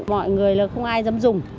mọi người là không ai dám dùng